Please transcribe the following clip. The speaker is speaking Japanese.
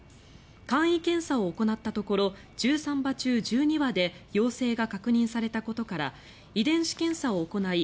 簡易検査を行ったところ１３羽中１２羽で陽性が確認されたことから遺伝子検査を行い